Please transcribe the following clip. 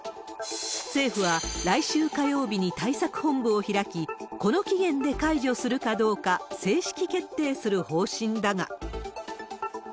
政府は来週火曜日に対策本部を開き、この期限で解除するかどうか正式決定する方針だが。